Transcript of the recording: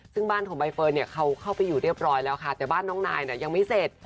ซึ่งบ้านของใบเฟิร์นเนี่ยเขาเข้าไปอยู่เรียบร้อยแล้วค่ะแต่บ้านน้องนายยังไม่เสร็จ